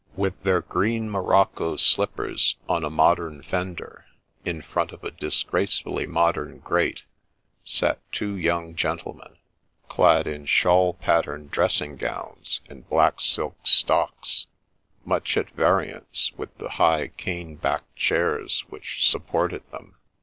With their green morocco slippers on a modern fender, in front of a disgracefully modern grate, sat two young gentlemen, clad in ' shawl pattern ' dressing gowns and black silk stocks, much at variance with the high cane backed chairs which sup ported them.